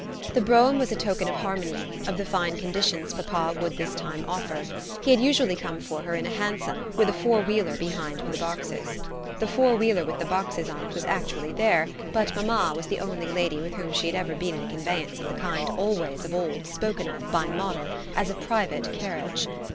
The brougham was a token of harmony, of the fine conditions papa would this time offer: he had usually come for her in a hansom, with a four wheeler behind for the boxes. The four wheeler with the boxes on it was actually there, but mamma was the only lady with whom she had ever been in a conveyance of the kind always of old spoken of by Moddle as a private carriage.